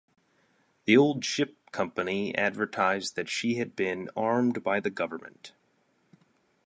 The Old Ship Company advertised that she had been armed by the government.